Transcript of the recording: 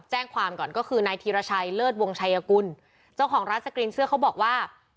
แจ้งความก่อนก็คือนายธีรชัยเลิศวงชัยกุลเจ้าของร้านสกรีนเสื้อเขาบอกว่า